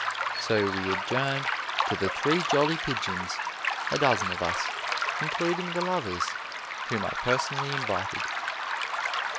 So we adjourned to The Three Jolly Pigeons a dozen of us, including the lovers, whom I personally invited.